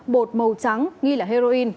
bột màu trắng nghi là heroin